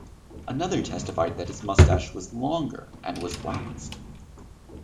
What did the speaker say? Another testified that his mustache was longer and was waxed.